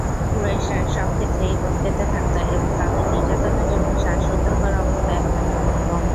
কুরাইশরা সব ক্ষেত্রেই ওঁৎ পেতে থাকত এবং তাদের নির্যাতনের জন্য শ্বাসরুদ্ধকর অবস্থায় অপেক্ষা করত।